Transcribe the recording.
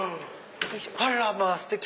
あらまステキ！